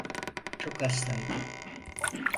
Çok hastaydı.